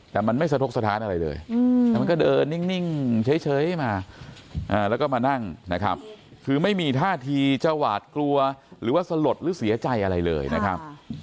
แต่มันไม่สะทกสถานอะไรเลยแต่มันก็เดินนิ่งเฉยมาแล้วก็มานั่งนะครับคือไม่มีท่าทีจะหวาดกลัวหรือว่าสลดหรือเสียใจอะไรเลยนะครับ